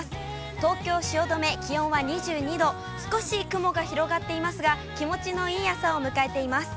東京・汐留、気温は２２度、少し雲が広がっていますが、気持ちのいい朝を迎えています。